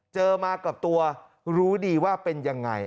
เจอมากับตัวรู้ดีว่าเป็นยังไง